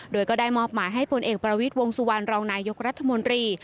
โดยก็ได้มอบหมายให้ผลเอกประวิทย์วงสุวรรณรองนายกรัฐมนตรี